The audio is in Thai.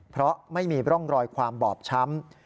เพราะไม่มีร่องรอยความบอบช้ำ